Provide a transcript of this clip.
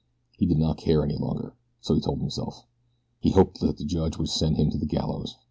He did not care any longer, so he told himself. He hoped that the judge would send him to the gallows.